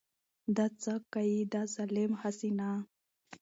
دا څه که يې دا ظالم هسې نه .